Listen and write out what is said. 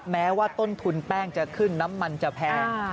แม้ว่าต้นทุนแป้งจะขึ้นน้ำมันจะแพง